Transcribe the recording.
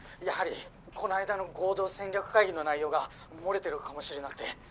やはりこの間の合同戦略会議の内容が漏れてるかもしれなくて。